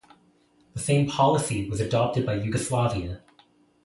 The same policy was adopted by Yugoslavia.